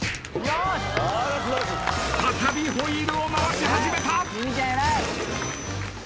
再びホイールを回し始めた。